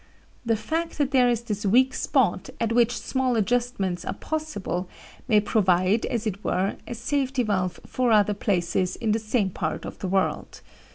The fact that there is this weak spot at which small adjustments are possible may provide, as it were, a safety valve for other places in the same part of the world.